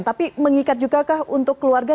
tapi mengikat juga kah untuk keluarga